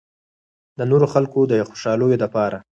د نورو خلکو د خوشالو د پاره